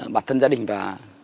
bản thân gia đình và